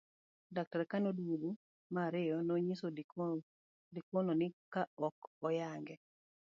laktar kane oduogo mar ariyo nonyiso Likono ni ka ok oyang'e